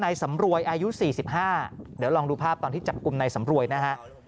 ไอนายุ๔๕เดี๋ยวลองดูภาพตอนที่จับกลุ่มนายสำรวยนะฮะ